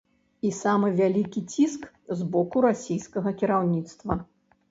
І самы вялікі ціск з боку расійскага кіраўніцтва.